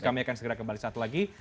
kami akan segera kembali satu lagi